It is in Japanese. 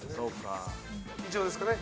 以上ですかね。